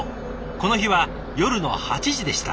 この日は夜の８時でした。